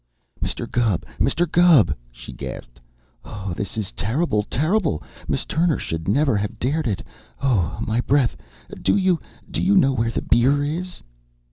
"Mister Gubb! Mister Gubb!" she gasped. "Oh, this is terrible! Terrible! Miss Turner should never have dared it! Oh, my breath! Do you do you know where the beer is?"